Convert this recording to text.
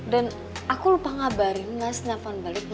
dan aku lupa ngabarin mas nyapan balik